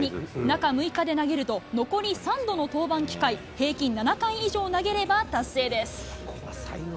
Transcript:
中６日で投げると、残り３度の登板機会、平均７回以上投げれば達成です。